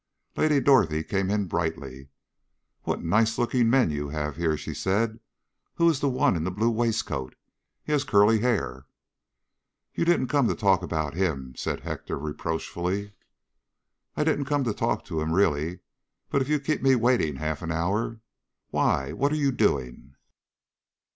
Lady Dorothy came in brightly. "What nice looking men you have here," she said. "Who is the one in the blue waistcoat? He has curly hair." "You didn't come to talk about him?" said Hector reproachfully. "I didn't come to talk to him really, but if you keep me waiting half an hour Why, what are you doing?"